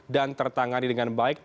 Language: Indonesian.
dan tertangani dengan baik